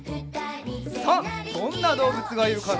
さあどんなどうぶつがいるかな？